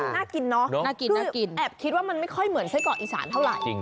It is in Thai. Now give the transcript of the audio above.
น่ากินเนอะคือแอบคิดว่ามันไม่ค่อยเหมือนไส้เกาะอีสานเท่าไหร่